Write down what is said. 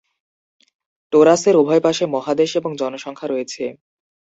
টোরাসের উভয় পাশে মহাদেশ এবং জনসংখ্যা রয়েছে।